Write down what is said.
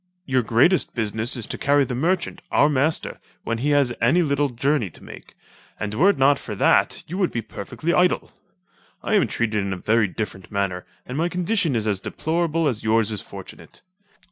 Your greatest business is to carry the merchant, our master, when he has any little journey to make, and were it not for that you would be perfectly idle. I am treated in a very different manner, and my condition is as deplorable as yours is fortunate.